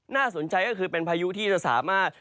น่าสนใจก็คือเป็นพายุที่จะสามารถ